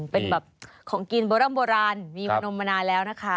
เป็นแบบของกินโบร่ำโบราณมีพนมมานานแล้วนะคะ